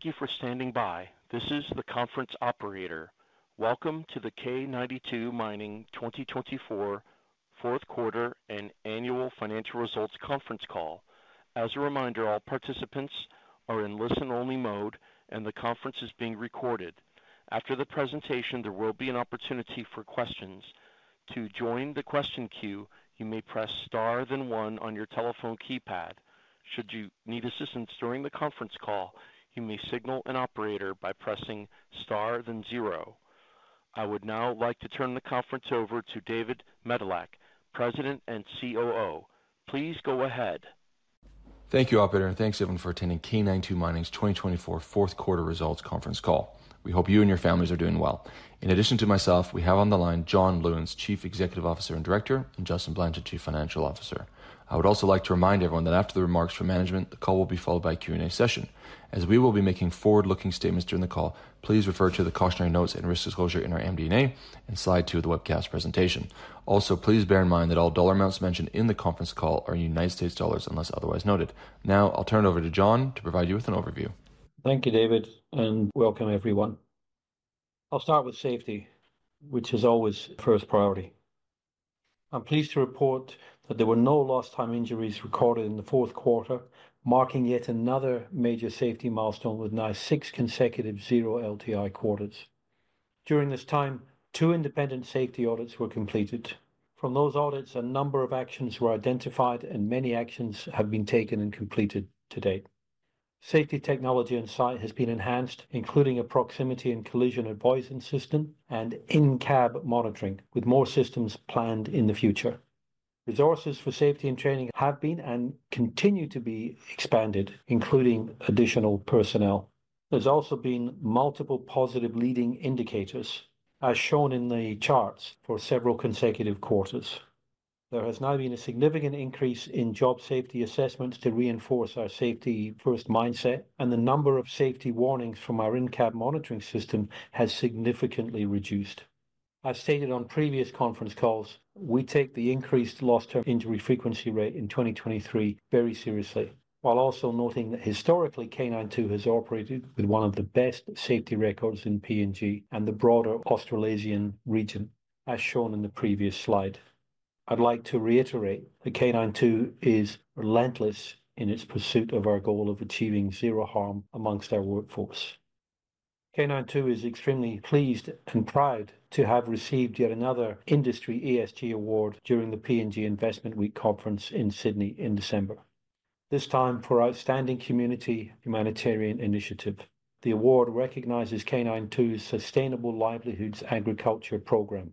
Thank you for standing by. This is the conference operator. Welcome to the K92 Mining 2024 fourth quarter and annual financial results conference call. As a reminder, all participants are in listen-only mode, and the conference is being recorded. After the presentation, there will be an opportunity for questions. To join the question queue, you may press star then one on your telephone keypad. Should you need assistance during the conference call, you may signal an operator by pressing star then zero. I would now like to turn the conference over to David Medilek, President and COO. Please go ahead. Thank you, Operator, and thanks everyone for attending K92 Mining's 2024 fourth quarter results conference call. We hope you and your families are doing well. In addition to myself, we have on the line John Lewins, Chief Executive Officer and Director, and Justin Blanchet, Chief Financial Officer. I would also like to remind everyone that after the remarks from management, the call will be followed by a Q&A session. As we will be making forward-looking statements during the call, please refer to the cautionary notes and risk disclosure in our MD&A and slide two of the webcast presentation. Also, please bear in mind that all dollar amounts mentioned in the conference call are in United States dollars unless otherwise noted. Now, I'll turn it over to John to provide you with an overview. Thank you, David, and welcome everyone. I'll start with safety, which is always first priority. I'm pleased to report that there were no lost-time injuries recorded in the fourth quarter, marking yet another major safety milestone with now six consecutive zero LTI quarters. During this time, two independent safety audits were completed. From those audits, a number of actions were identified, and many actions have been taken and completed to date. Safety technology on site has been enhanced, including a proximity and collision avoidance system and in-cab monitoring, with more systems planned in the future. Resources for safety and training have been and continue to be expanded, including additional personnel. There's also been multiple positive leading indicators, as shown in the charts, for several consecutive quarters. There has now been a significant increase in job safety assessments to reinforce our safety-first mindset, and the number of safety warnings from our in-cab monitoring system has significantly reduced. As stated on previous conference calls, we take the increased lost-time injury frequency rate in 2023 very seriously, while also noting that historically, K92 has operated with one of the best safety records in Papua New Guinea and the broader Australasian region, as shown in the previous slide. I'd like to reiterate that K92 is relentless in its pursuit of our goal of achieving zero harm amongst our workforce. K92 is extremely pleased and proud to have received yet another industry ESG award during the PNG Investment Week conference in Sydney in December, this time for Outstanding Community Humanitarian Initiative. The award recognizes K92's Sustainable Livelihoods Agriculture Program.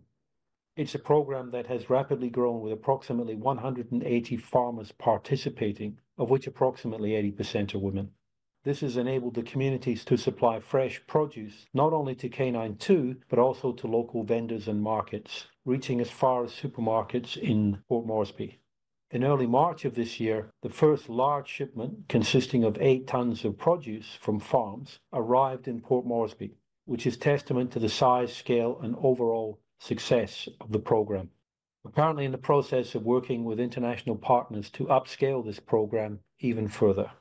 It's a program that has rapidly grown with approximately 180 farmers participating, of which approximately 80% are women. This has enabled the communities to supply fresh produce not only to K92 but also to local vendors and markets, reaching as far as supermarkets in Port Moresby. In early March of this year, the first large shipment, consisting of 8 tonnes of produce from farms, arrived in Port Moresby, which is testament to the size, scale, and overall success of the program. We're currently in the process of working with international partners to upscale this program even further.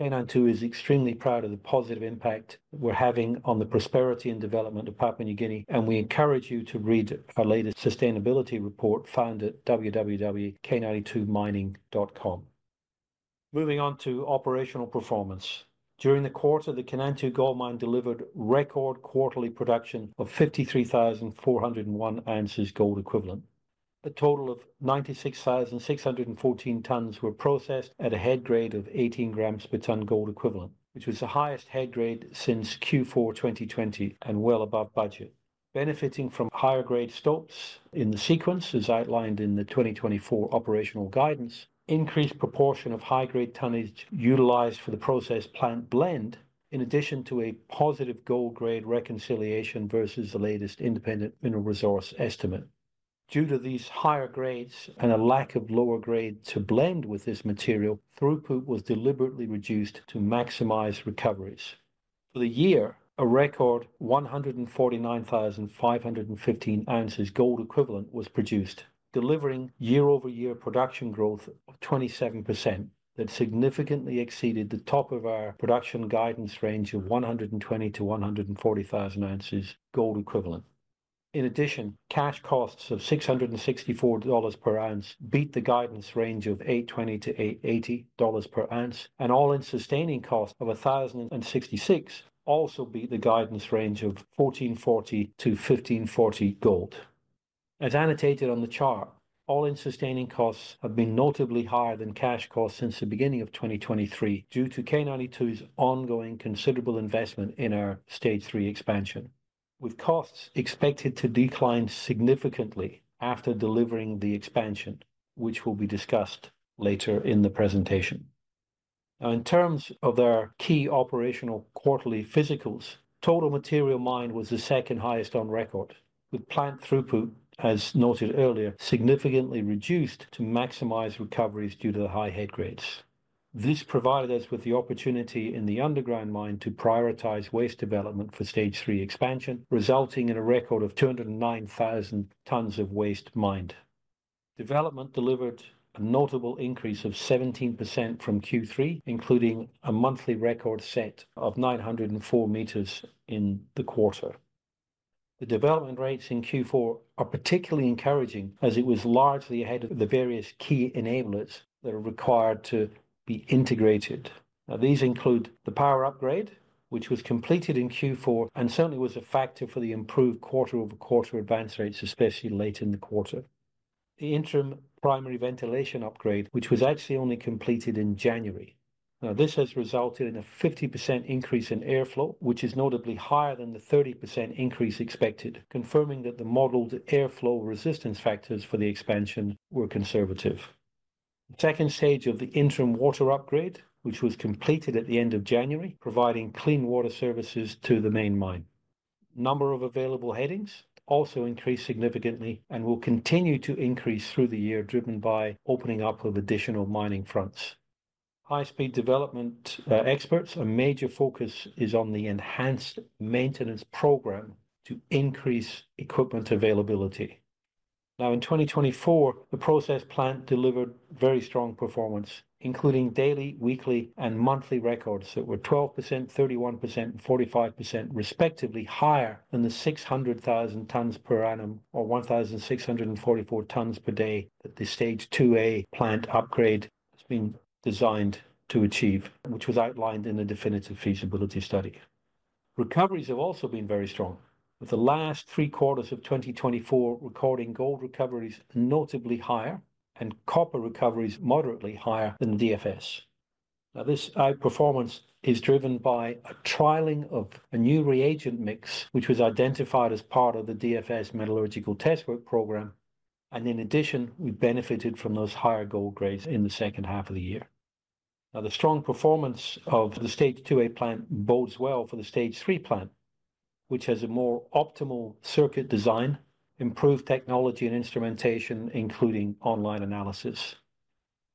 K92 is extremely proud of the positive impact we're having on the prosperity and development of Papua New Guinea, and we encourage you to read our latest Sustainability Report found at www.k92mining.com. Moving on to operational performance. During the quarter, the Kainantu Gold Mine delivered record quarterly production of 53,401 ounces gold equivalent. A total of 96,614 tonnes were processed at a head grade of 18 grams per ton gold equivalent, which was the highest head grade since Q4 2020 and well above budget. Benefiting from higher grade stopes in the sequence, as outlined in the 2024 operational guidance, increased proportion of high-grade tonnage utilized for the processed plant blend, in addition to a positive gold grade reconciliation versus the latest independent mineral resource estimate. Due to these higher grades and a lack of lower grade to blend with this material, throughput was deliberately reduced to maximize recoveries. For the year, a record 149,515 ounces gold equivalent was produced, delivering year-over-year production growth of 27% that significantly exceeded the top of our production guidance range of 120,000-140,000 ounces gold equivalent. In addition, cash costs of $664 per ounce beat the guidance range of $820-$880 per ounce, and All-In sustaining Cost of $1,066 also beat the guidance range of $1,440-$1,540 gold. As annotated on the chart, All-In Sustaining Cost have been notably higher than cash costs since the beginning of 2023 due to K92's ongoing considerable investment in our Stage 3 expansion, with costs expected to decline significantly after delivering the expansion, which will be discussed later in the presentation. Now, in terms of our key operational quarterly physicals, total material mine was the second highest on record, with plant throughput, as noted earlier, significantly reduced to maximize recoveries due to the high head grades. This provided us with the opportunity in the underground mine to prioritize waste development for Stage 3 expansion, resulting in a record of 209,000 tonnes of waste mined. Development delivered a notable increase of 17% from Q3, including a monthly record set of 904 meters in the quarter. The development rates in Q4 are particularly encouraging as it was largely ahead of the various key enablers that are required to be integrated. Now, these include the power upgrade, which was completed in Q4 and certainly was a factor for the improved quarter-over-quarter advance rates, especially late in the quarter. The interim primary ventilation upgrade, which was actually only completed in January. Now, this has resulted in a 50% increase in airflow, which is notably higher than the 30% increase expected, confirming that the modeled airflow resistance factors for the expansion were conservative. The second stage of the interim water upgrade, which was completed at the end of January, provided clean water services to the main mine. Number of available headings also increased significantly and will continue to increase through the year, driven by opening up of additional mining fronts. High-speed development experts, a major focus is on the enhanced maintenance program to increase equipment availability. Now, in 2024, the process plant delivered very strong performance, including daily, weekly, and monthly records that were 12%, 31%, and 45%, respectively, higher than the 600,000 tonnes per annum or 1,644 tonnes per day that the Stage 2A plant upgrade has been designed to achieve, which was outlined in the Definitive Feasibility Study. Recoveries have also been very strong, with the last three quarters of 2024 recording gold recoveries notably higher and copper recoveries moderately higher than DFS. Now, this high performance is driven by a trialing of a new reagent mix, which was identified as part of the DFS Metallurgical Test Work Program. In addition, we benefited from those higher gold grades in the second half of the year. The strong performance of the Stage 2A plant bodes well for the Stage 3 plant, which has a more optimal circuit design, improved technology and instrumentation, including online analysis.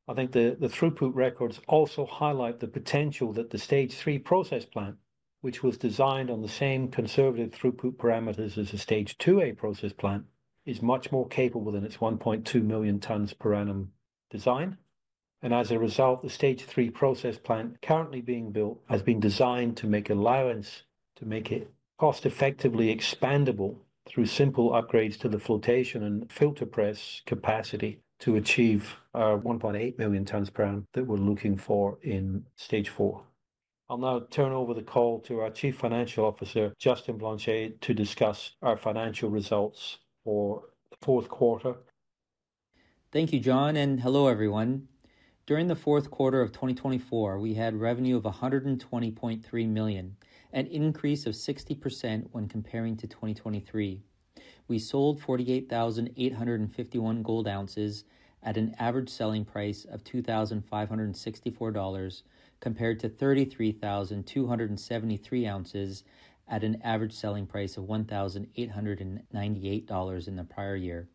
I think the throughput records also highlight the potential that the Stage 3 process plant, which was designed on the same conservative throughput parameters as the Stage 2A process plant, is much more capable than its 1.2 million tons per annum design. As a result, the Stage 3 process plant currently being built has been designed to make allowance to make it cost-effectively expandable through simple upgrades to the flotation and filter press capacity to achieve 1.8 million tons per annum that we're looking for in Stage 4. I'll now turn over the call to our Chief Financial Officer, Justin Blanchet, to discuss our financial results for the fourth quarter. Thank you, John, and hello everyone. During the fourth quarter of 2024, we had revenue of $120.3 million, an increase of 60% when comparing to 2023. We sold 48,851 gold ounces at an average selling price of $2,564, compared to 33,273 ounces at an average selling price of $1,898 in the prior year.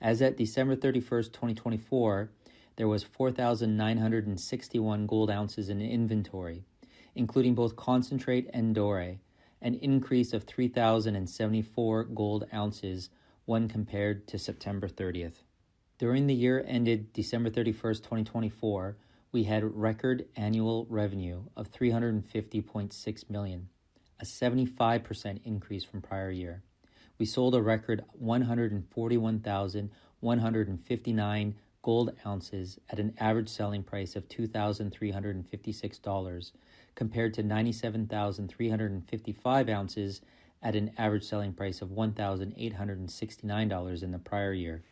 As of December 31, 2024, there was 4,961 gold ounces in inventory, including both concentrate and doré, an increase of 3,074 gold ounces when compared to September 30. During the year ended December 31, 2024, we had record annual revenue of $350.6 million, a 75% increase from prior year. We sold a record 141,159 gold ounces at an average selling price of $2,356, compared to 97,355 ounces at an average selling price of $1,869 in the prior year.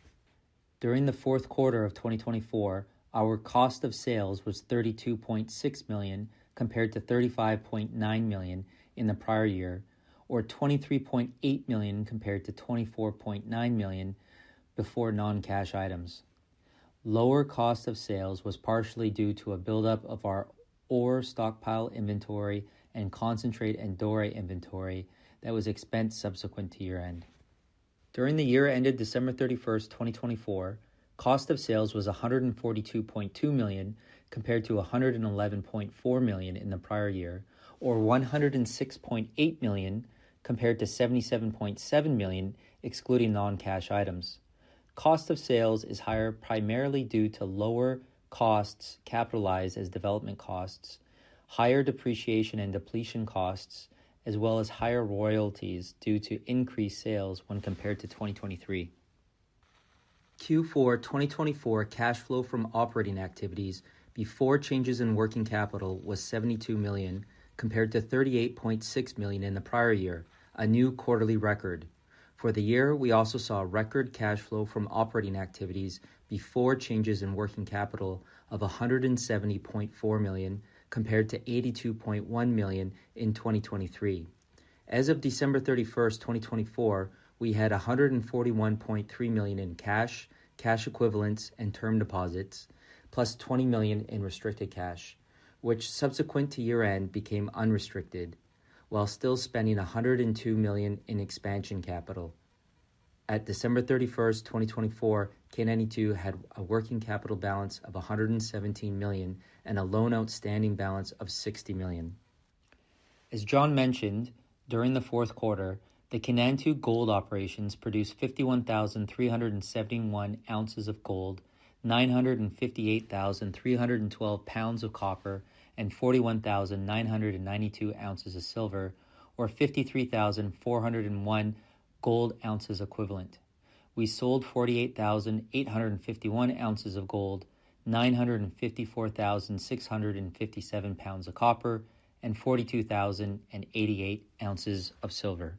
During the fourth quarter of 2024, our cost of sales was $32.6 million, compared to $35.9 million in the prior year, or $23.8 million compared to $24.9 million before non-cash items. Lower cost of sales was partially due to a buildup of our ore stockpile inventory and concentrate and doré inventory that was expensed subsequent to year-end. During the year ended December 31, 2024, cost of sales was $142.2 million compared to $111.4 million in the prior year, or $106.8 million compared to $77.7 million excluding non-cash items. Cost of sales is higher primarily due to lower costs capitalized as development costs, higher depreciation and depletion costs, as well as higher royalties due to increased sales when compared to 2023. Q4 2024 cash flow from operating activities before changes in working capital was $72 million compared to $38.6 million in the prior year, a new quarterly record. For the year, we also saw record cash flow from operating activities before changes in working capital of $170.4 million compared to $82.1 million in 2023. As of December 31, 2024, we had $141.3 million in cash, cash equivalents, and term deposits, plus $20 million in restricted cash, which subsequent to year-end became unrestricted, while still spending $102 million in expansion capital. At December 31, 2024, K92 had a working capital balance of $117 million and a loan outstanding balance of $60 million. As John mentioned, during the fourth quarter, the K92 gold operations produced 51,371 ounces of gold, 958,312 pounds of copper, and 41,992 ounces of silver, or 53,401 gold ounces equivalent. We sold 48,851 ounces of gold, 954,657 pounds of copper, and 42,088 ounces of silver.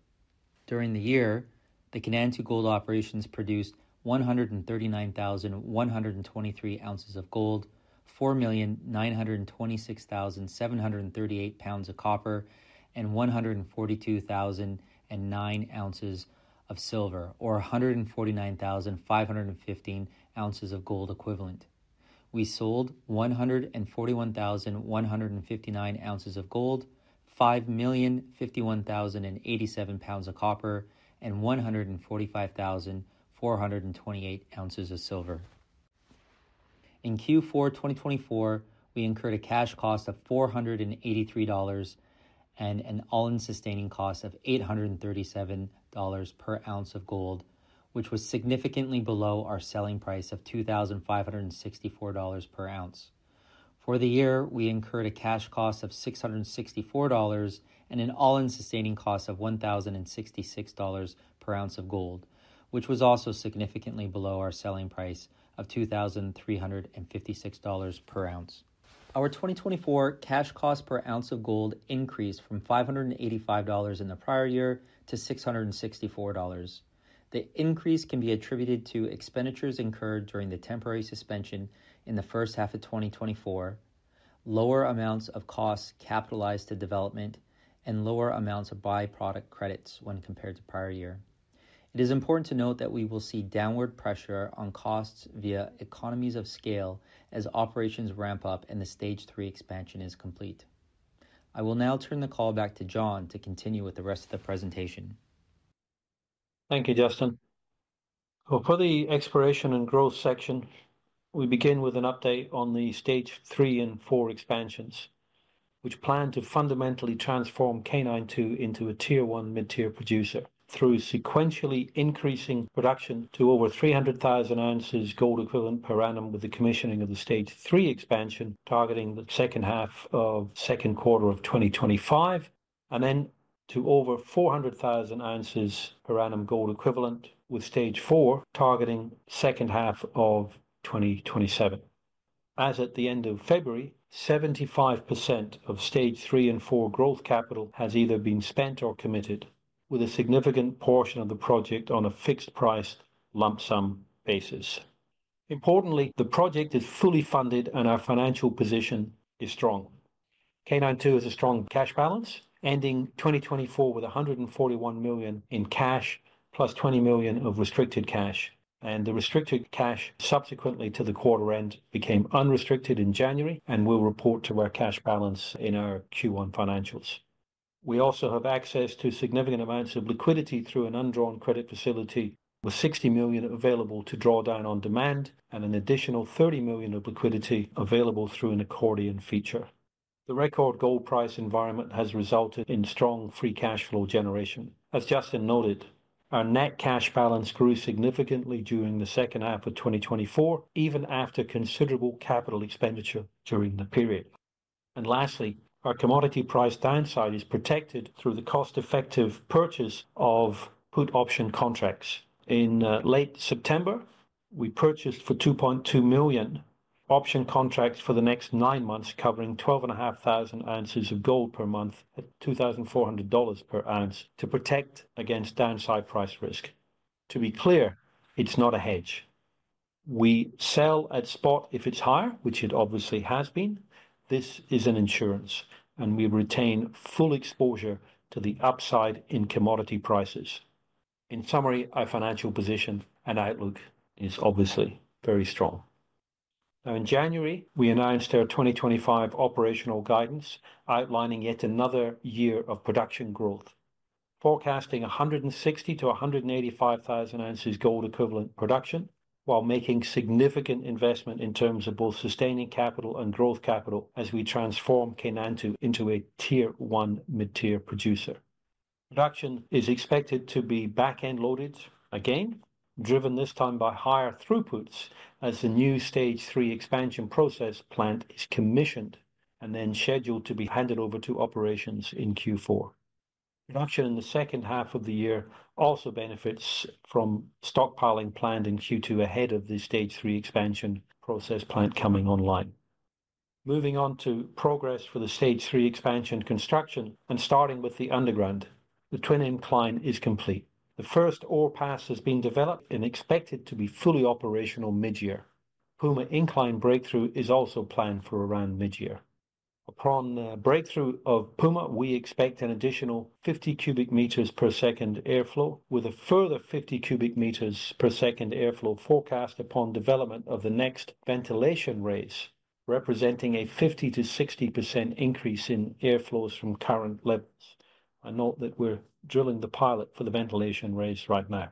During the year, the K92 gold operations produced 139,123 ounces of gold, 4,926,738 pounds of copper, and 142,009 ounces of silver, or 149,515 ounces of gold equivalent. We sold 141,159 ounces of gold, 5,051,087 pounds of copper, and 145,428 ounces of silver. In Q4 2024, we incurred a cash cost of $483 and an all-in sustaining cost of $837 per ounce of gold, which was significantly below our selling price of $2,564 per ounce. For the year, we incurred a cash cost of $664 and an all-in sustaining cost of $1,066 per ounce of gold, which was also significantly below our selling price of $2,356 per ounce. Our 2024 cash cost per ounce of gold increased from $585 in the prior year to $664. The increase can be attributed to expenditures incurred during the temporary suspension in the first half of 2024, lower amounts of costs capitalized to development, and lower amounts of byproduct credits when compared to prior year. It is important to note that we will see downward pressure on costs via economies of scale as operations ramp up and the Stage 3 Expansion is complete. I will now turn the call back to John to continue with the rest of the presentation. Thank you, Justin. For the exploration and growth section, we begin with an update on the Stage 3 and 4 expansions, which plan to fundamentally transform K92 into a tier one mid-tier producer through sequentially increasing production to over 300,000 ounces gold equivalent per annum with the commissioning of the Stage 3 expansion targeting the second half of second quarter of 2025, and then to over 400,000 ounces per annum gold equivalent with Stage 4 targeting second half of 2027. As at the end of February, 75% of stage three and four growth capital has either been spent or committed, with a significant portion of the project on a fixed price lump sum basis. Importantly, the project is fully funded and our financial position is strong. K92 has a strong cash balance, ending 2024 with $141 million in cash, plus $20 million of restricted cash. The restricted cash subsequently to the quarter end became unrestricted in January and will report to our cash balance in our Q1 financials. We also have access to significant amounts of liquidity through an undrawn credit facility with $60 million available to draw down on demand and an additional $30 million of liquidity available through an accordion feature. The record gold price environment has resulted in strong free cash flow generation. As Justin noted, our net cash balance grew significantly during the second half of 2024, even after considerable capital expenditure during the period. Lastly, our commodity price downside is protected through the cost-effective purchase of put option contracts. In late September, we purchased for $2.2 million option contracts for the next nine months, covering 12,500 ounces of gold per month at $2,400 per ounce to protect against downside price risk. To be clear, it's not a hedge. We sell at spot if it's higher, which it obviously has been. This is an insurance, and we retain full exposure to the upside in commodity prices. In summary, our financial position and outlook is obviously very strong. Now, in January, we announced our 2025 operational guidance, outlining yet another year of production growth, forecasting 160,000-185,000 ounces gold equivalent production, while making significant investment in terms of both sustaining capital and growth capital as we transform K92 into a tier one mid-tier producer. Production is expected to be back-end loaded again, driven this time by higher throughputs as the new stage 3 expansion process plant is commissioned and then scheduled to be handed over to operations in Q4. Production in the second half of the year also benefits from stockpiling planned in Q2 ahead of the stage 3 expansion process plant coming online. Moving on to progress for the stage three expansion construction and starting with the underground, the twin incline is complete. The first ore pass has been developed and expected to be fully operational mid-year. Puma incline breakthrough is also planned for around mid-year. Upon breakthrough of Puma, we expect an additional 50 cubic meters per second airflow, with a further 50 cubic meters per second airflow forecast upon development of the next ventilation raise, representing a 50-60% increase in airflows from current levels. I note that we're drilling the pilot for the ventilation raise right now.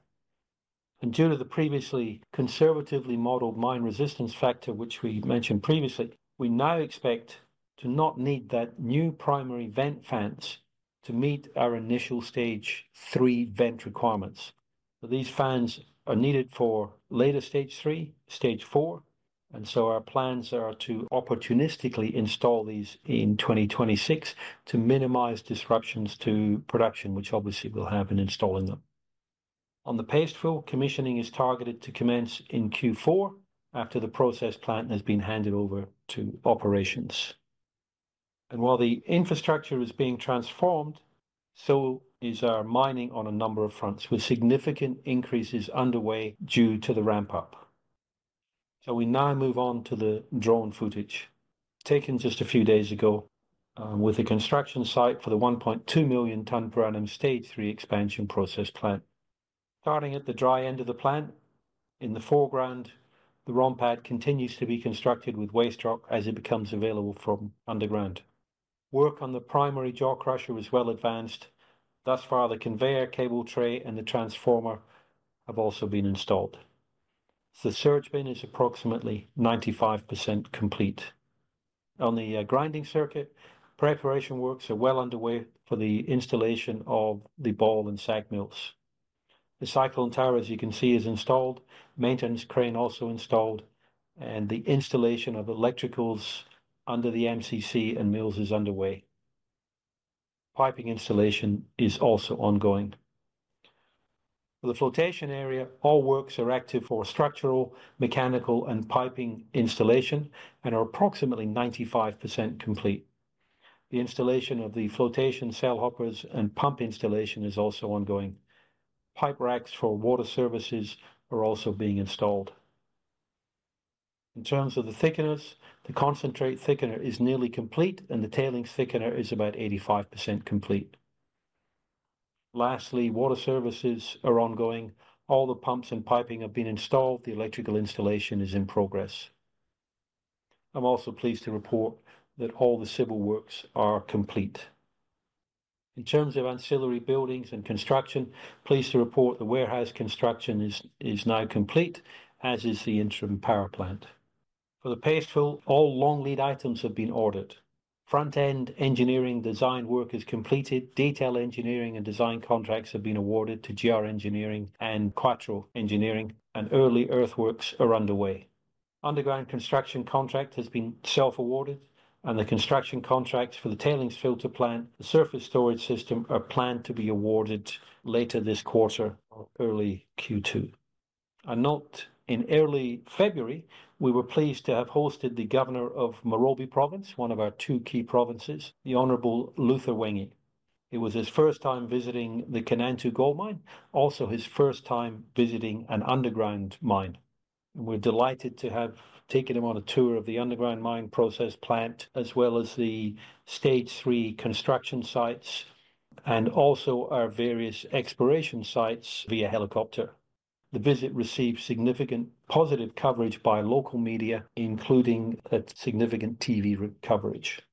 Due to the previously conservatively modeled mine resistance factor, which we mentioned previously, we now expect to not need that new primary vent fans to meet our initial stage three vent requirements. These fans are needed for later stage three, stage four, and our plans are to opportunistically install these in 2026 to minimize disruptions to production, which obviously will happen installing them. On the paste fill, commissioning is targeted to commence in Q4 after the process plant has been handed over to operations. While the infrastructure is being transformed, so is our mining on a number of fronts with significant increases underway due to the ramp-up. We now move on to the drone footage taken just a few days ago with the construction site for the 1.2 million ton per annum stage three expansion process plant. Starting at the dry end of the plant, in the foreground, the ROM pad continues to be constructed with waste rock as it becomes available from underground. Work on the primary jaw crusher is well advanced. Thus far, the conveyor cable tray and the transformer have also been installed. The surge bin is approximately 95% complete. On the grinding circuit, preparation works are well underway for the installation of the ball and SAG mills. The cyclone tower, as you can see, is installed. Maintenance crane also installed, and the installation of electricals under the MCC and mills is underway. Piping installation is also ongoing. For the flotation area, all works are active for structural, mechanical, and piping installation and are approximately 95% complete. The installation of the flotation cell hoppers and pump installation is also ongoing. Pipe racks for water services are also being installed. In terms of the thickeners, the concentrate thickener is nearly complete and the tailings thickener is about 85% complete. Lastly, water services are ongoing. All the pumps and piping have been installed. The electrical installation is in progress. I'm also pleased to report that all the civil works are complete. In terms of ancillary buildings and construction, pleased to report the warehouse construction is now complete, as is the interim power plant. For the paste fill, all long lead items have been ordered. Front-end engineering design work is completed. Detail engineering and design contracts have been awarded to GR Engineering and Quattro Engineering, and early earthworks are underway. Underground construction contract has been self-awarded, and the construction contracts for the tailings filter plant, the surface storage system are planned to be awarded later this quarter or early Q2. I note in early February, we were pleased to have hosted the Governor of Morobe Province, one of our two key provinces, the Honorable Luther Wenge. It was his first time visiting the Kainantu Gold Mine, also his first time visiting an underground mine. We're delighted to have taken him on a tour of the underground mine process plant, as well as the Stage 3 construction sites and also our various exploration sites via helicopter. The visit received significant positive coverage by local media, including significant TV coverage.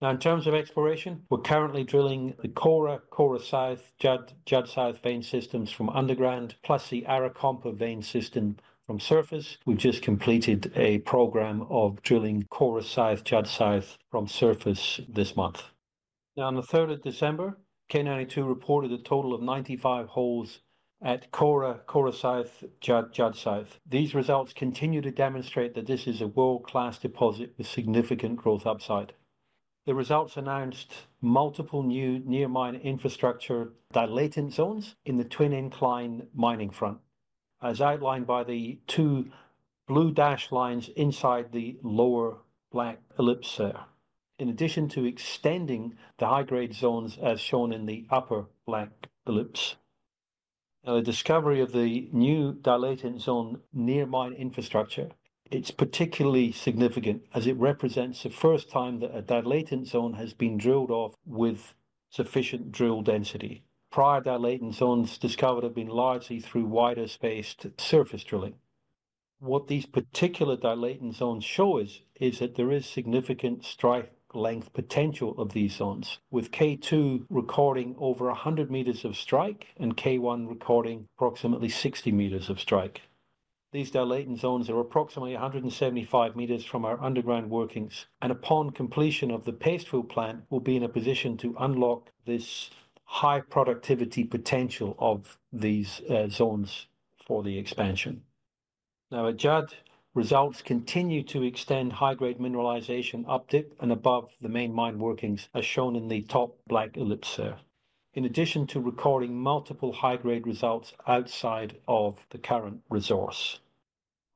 Now, in terms of exploration, we're currently drilling the Kora, Kora South, Judd, Judd South vein systems from underground, plus the Arakompa vein system from surface. We've just completed a program of drilling Kora South, Judd South from surface this month. Now, on the 3rd of December, K92 reported a total of 95 holes at Kora, Kora South, Judd, Judd South. These results continue to demonstrate that this is a world-class deposit with significant growth upside. The results announced multiple new near-mine infrastructure dilatant zones in the twin incline mining front, as outlined by the two blue dashed lines inside the lower black ellipse there, in addition to extending the high-grade zones as shown in the upper black ellipse. Now, the discovery of the new dilatant zone near mine infrastructure is particularly significant as it represents the first time that a dilatant zone has been drilled off with sufficient drill density. Prior dilatant zones discovered have been largely through wider-spaced surface drilling. What these particular dilatant zones show is that there is significant strike length potential of these zones, with K2 recording over 100 meters of strike and K1 recording approximately 60 meters of strike. These dilatant zones are approximately 175 meters from our underground workings, and upon completion of the paste fill plant, we'll be in a position to unlock this high productivity potential of these zones for the expansion. Now, at Judd, results continue to extend high-grade mineralization up dip and above the main mine workings, as shown in the top black ellipse there, in addition to recording multiple high-grade results outside of the current resource.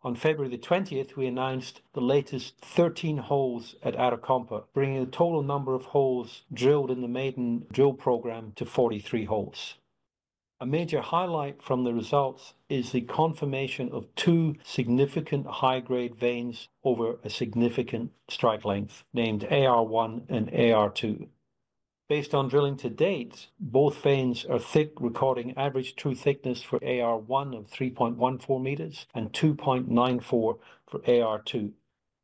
On February 20, we announced the latest 13 holes at Kora, bringing the total number of holes drilled in the maiden drill program to 43 holes. A major highlight from the results is the confirmation of two significant high-grade veins over a significant strike length named K1 and K2. Based on drilling to date, both veins are thick, recording average true thickness for AR1 of 3.14 meters and 2.94 for AR2,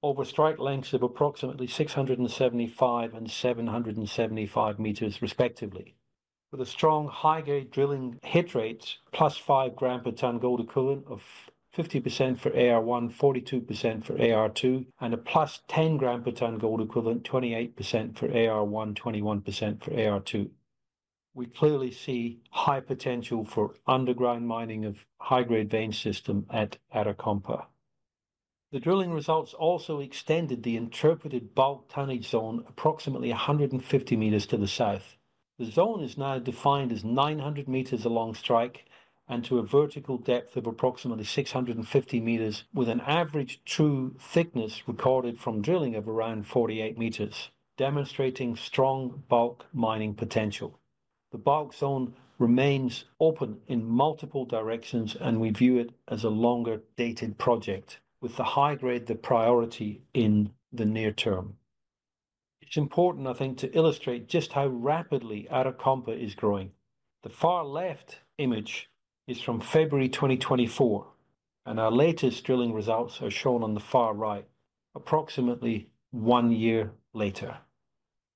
over strike lengths of approximately 675 and 775 meters, respectively. With a strong high-grade drilling hit rate, plus 5 gram per ton gold equivalent of 50% for AR1, 42% for AR2, and a plus 10 gram per ton gold equivalent, 28% for AR1, 21% for AR2. We clearly see high potential for underground mining of high-grade vein system at Arakompa. The drilling results also extended the interpreted bulk tonnage zone approximately 150 meters to the south. The zone is now defined as 900 meters along strike and to a vertical depth of approximately 650 meters, with an average true thickness recorded from drilling of around 48 meters, demonstrating strong bulk mining potential. The bulk zone remains open in multiple directions, and we view it as a longer dated project, with the high grade the priority in the near term. It's important, I think, to illustrate just how rapidly Arakompa is growing. The far left image is from February 2024, and our latest drilling results are shown on the far right, approximately one year later.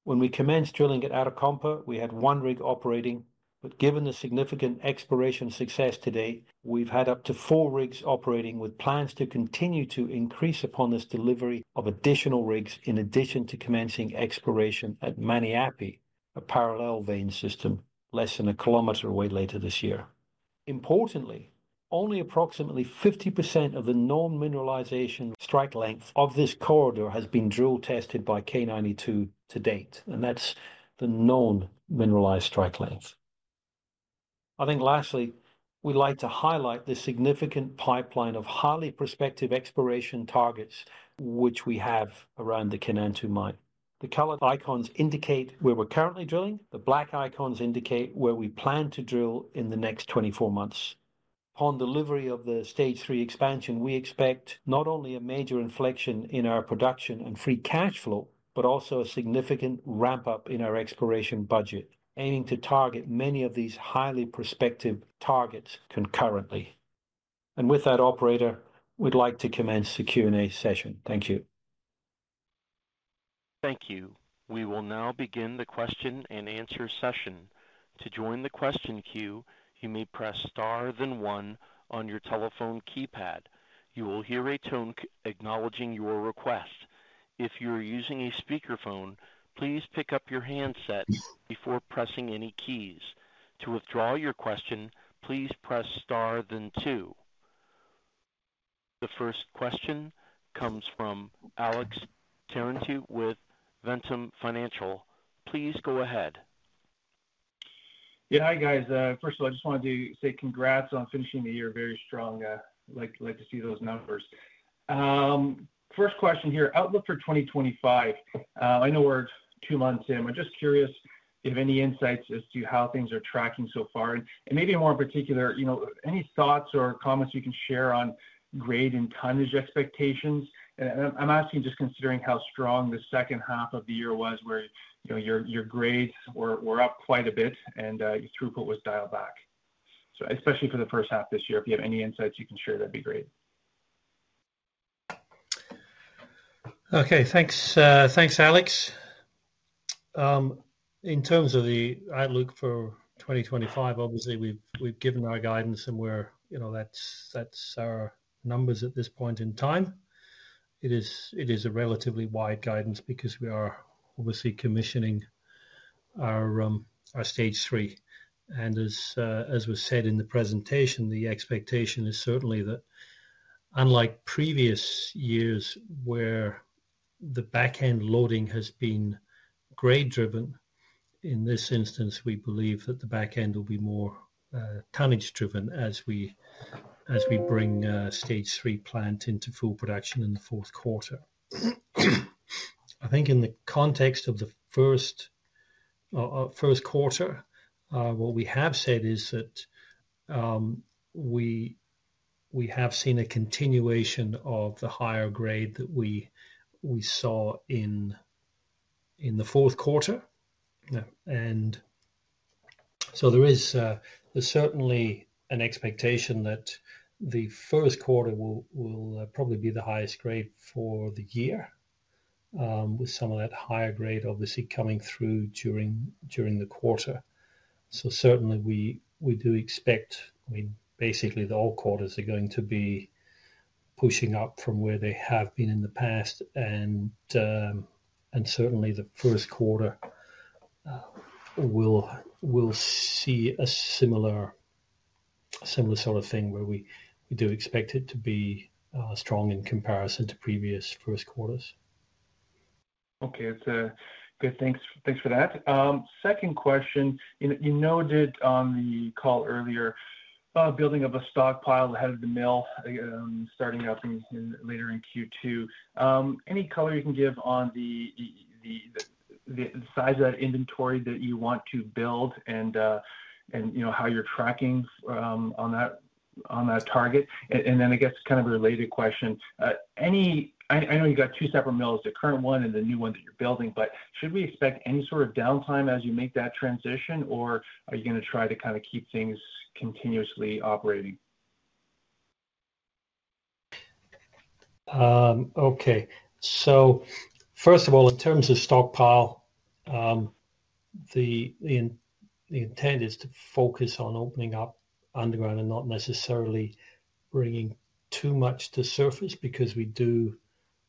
When we commenced drilling at Arakompa, we had one rig operating, but given the significant exploration success today, we've had up to four rigs operating, with plans to continue to increase upon this delivery of additional rigs in addition to commencing exploration at Maniape, a parallel vein system less than 1 km away later this year. Importantly, only approximately 50% of the known mineralization strike length of this corridor has been drill tested by K92 to date, and that's the known mineralized strike length. I think lastly, we'd like to highlight the significant pipeline of highly prospective exploration targets which we have around the Kainantu mine. The colored icons indicate where we're currently drilling. The black icons indicate where we plan to drill in the next 24 months. Upon delivery of the Stage 3 Expansion, we expect not only a major inflection in our production and free cash flow, but also a significant ramp-up in our exploration budget, aiming to target many of these highly prospective targets concurrently. With that, Operator, we'd like to commence the Q&A session. Thank you. Thank you. We will now begin the question and answer session. To join the question queue, you may press star then one on your telephone keypad. You will hear a tone acknowledging your request. If you're using a speakerphone, please pick up your handset before pressing any keys. To withdraw your question, please press star then two. The first question comes from Alex Terentiew with Ventum Financial. Please go ahead. Yeah, hi guys. First of all, I just wanted to say congrats on finishing the year. Very strong. I'd like to see those numbers. First question here, outlook for 2025. I know we're two months in. I'm just curious if you have any insights as to how things are tracking so far. Maybe more in particular, any thoughts or comments you can share on grade and tonnage expectations. I'm asking just considering how strong the second half of the year was where your grades were up quite a bit and your throughput was dialed back. Especially for the first half this year, if you have any insights you can share, that'd be great. Okay, thanks. Thanks, Alex. In terms of the outlook for 2025, obviously we've given our guidance and that's our numbers at this point in time. It is a relatively wide guidance because we are obviously commissioning our stage three. As was said in the presentation, the expectation is certainly that unlike previous years where the backend loading has been grade-driven, in this instance, we believe that the backend will be more tonnage-driven as we bring stage three plant into full production in the fourth quarter. I think in the context of the first quarter, what we have said is that we have seen a continuation of the higher grade that we saw in the fourth quarter. There is certainly an expectation that the first quarter will probably be the highest grade for the year, with some of that higher grade obviously coming through during the quarter. Certainly we do expect, I mean, basically the old quarters are going to be pushing up from where they have been in the past. Certainly the first quarter will see a similar sort of thing where we do expect it to be strong in comparison to previous first quarters. Okay, good. Thanks for that. Second question, you noted on the call earlier, building of a stockpile ahead of the mill, starting up later in Q2. Any color you can give on the size of that inventory that you want to build and how you're tracking on that target? I guess kind of a related question. I know you've got two separate mills, the current one and the new one that you're building, but should we expect any sort of downtime as you make that transition, or are you going to try to kind of keep things continuously operating? Okay, first of all, in terms of stockpile, the intent is to focus on opening up underground and not necessarily bringing too much to surface because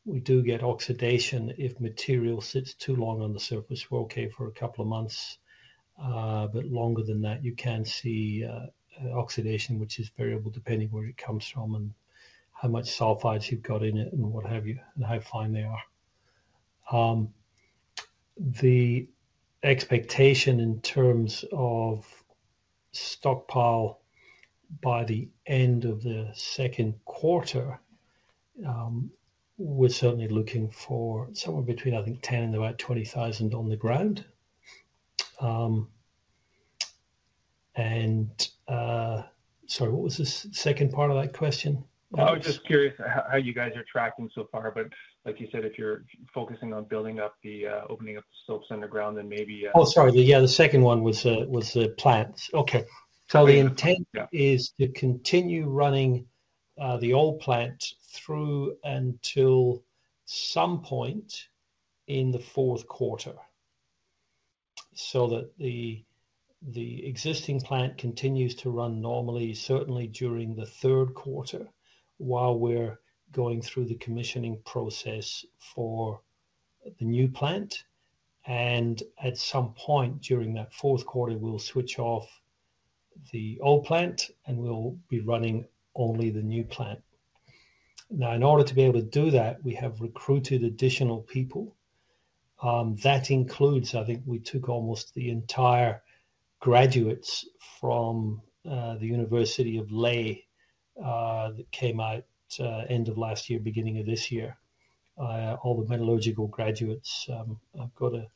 we do get oxidation. If material sits too long on the surface, we're okay for a couple of months, but longer than that, you can see oxidation, which is variable depending where it comes from and how much sulfides you've got in it and what have you and how fine they are. The expectation in terms of stockpile by the end of the second quarter, we're certainly looking for somewhere between, I think, 10,000 and about 20,000 on the ground. Sorry, what was the second part of that question? I was just curious how you guys are tracking so far, but like you said, if you're focusing on building up the opening up the slopes underground, then maybe. Oh, sorry. Yeah, the second one was the plants. Okay. The intent is to continue running the old plant through until some point in the fourth quarter so that the existing plant continues to run normally, certainly during the third quarter while we're going through the commissioning process for the new plant. At some point during that fourth quarter, we'll switch off the old plant and we'll be running only the new plant. Now, in order to be able to do that, we have recruited additional people. That includes, I think we took almost the entire graduates from the University of Lae that came out end of last year, beginning of this year, all the metallurgical graduates. I've got a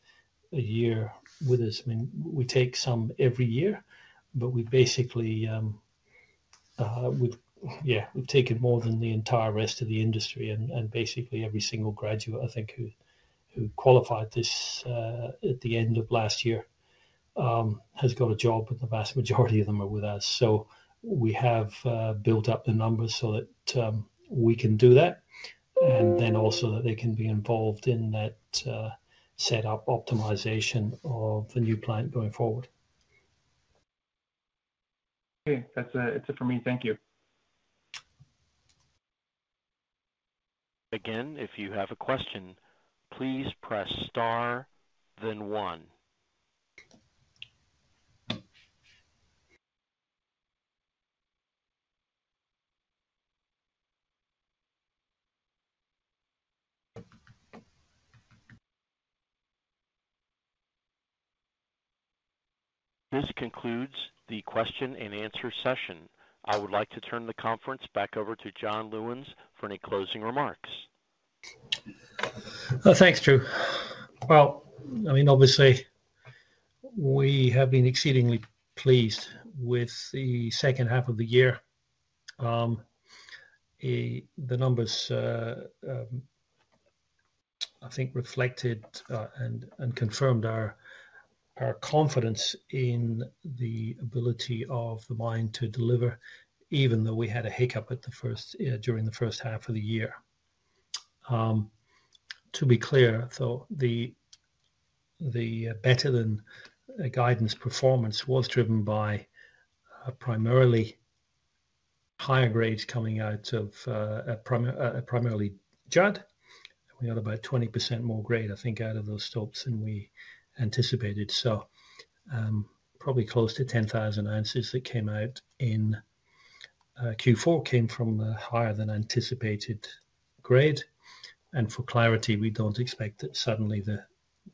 year with us. I mean, we take some every year, but we basically, yeah, we've taken more than the entire rest of the industry. Basically every single graduate, I think, who qualified this at the end of last year has got a job, but the vast majority of them are with us. We have built up the numbers so that we can do that and then also that they can be involved in that setup optimization of the new plant going forward. Okay, that's it for me. Thank you. Again, if you have a question, please press star then one. This concludes the question and answer session. I would like to turn the conference back over to John Lewins for any closing remarks. Thanks, Drew. I mean, obviously we have been exceedingly pleased with the second half of the year. The numbers, I think, reflected and confirmed our confidence in the ability of the mine to deliver, even though we had a hiccup during the first half of the year. To be clear, the better than guidance performance was driven by primarily higher grades coming out of primarily Judd. We got about 20% more grade, I think, out of those slopes than we anticipated. Probably close to 10,000 ounces that came out in Q4 came from the higher than anticipated grade. For clarity, we do not expect that suddenly the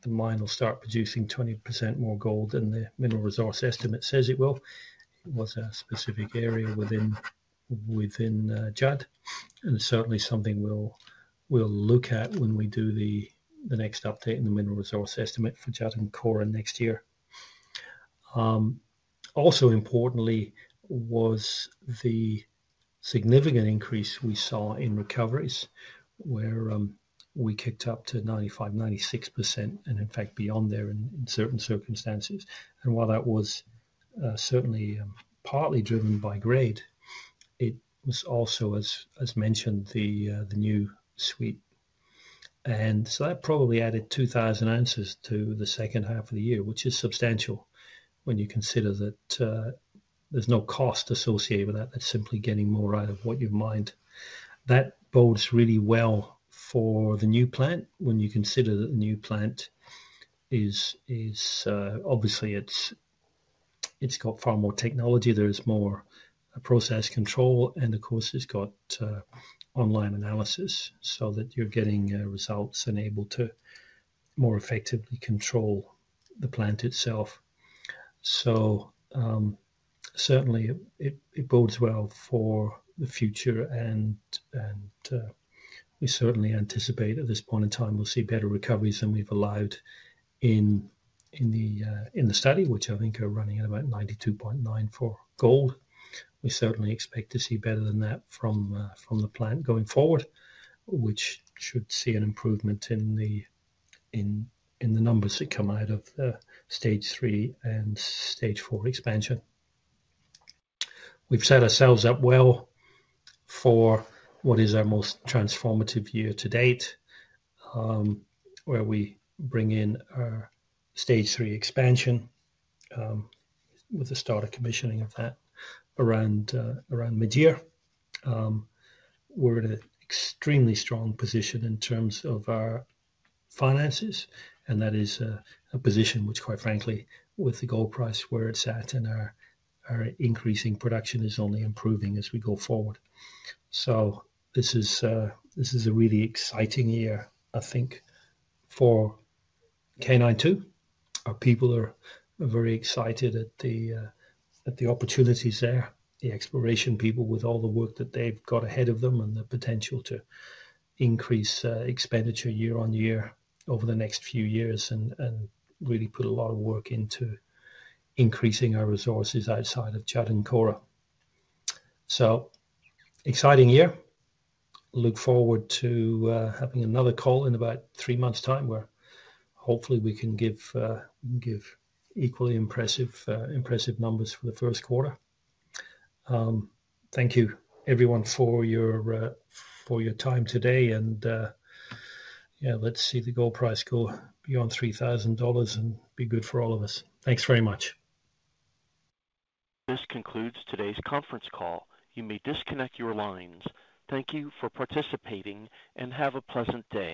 mine will start producing 20% more gold than the mineral resource estimate says it will. It was a specific area within Judd. Certainly something we'll look at when we do the next update in the mineral resource estimate for Judd and Kora next year. Also importantly was the significant increase we saw in recoveries where we kicked up to 95-96%, and in fact beyond there in certain circumstances. While that was certainly partly driven by grade, it was also, as mentioned, the new sweep. That probably added 2,000 ounces to the second half of the year, which is substantial when you consider that there's no cost associated with that. That's simply getting more out of what you've mined. That bodes really well for the new plant when you consider that the new plant is obviously it's got far more technology. There is more process control. Of course, it's got online analysis so that you're getting results and able to more effectively control the plant itself. It certainly bodes well for the future. We certainly anticipate at this point in time we'll see better recoveries than we've allowed in the study, which I think are running at about 92.9% for gold. We certainly expect to see better than that from the plant going forward, which should see an improvement in the numbers that come out of the stage three and stage four expansion. We've set ourselves up well for what is our most transformative year to date where we bring in our stage three expansion with the start of commissioning of that around mid-year. We're in an extremely strong position in terms of our finances. That is a position which, quite frankly, with the gold price where it's at and our increasing production is only improving as we go forward. This is a really exciting year, I think, for K92. Our people are very excited at the opportunities there, the exploration people with all the work that they've got ahead of them and the potential to increase expenditure year on year over the next few years and really put a lot of work into increasing our resources outside of Judd and Kora. Exciting year. Look forward to having another call in about three months' time where hopefully we can give equally impressive numbers for the first quarter. Thank you, everyone, for your time today. Yeah, let's see the gold price go beyond $3,000 and be good for all of us. Thanks very much. This concludes today's conference call. You may disconnect your lines. Thank you for participating and have a pleasant day.